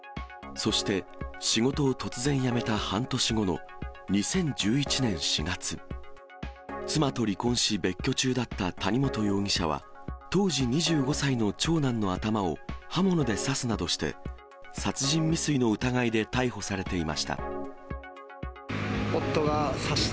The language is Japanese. そして、仕事を突然辞めた半年後の２０１１年４月、妻と離婚し別居中だった谷本容疑者は、当時２５歳の長男の頭を刃物で刺すなどして、殺人未遂の疑いで逮捕されていました。